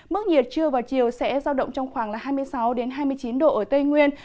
mức nhiệt trưa vào chiều sẽ giao động trong khoảng hai mươi sáu hai mươi chín độ ở tây nguyên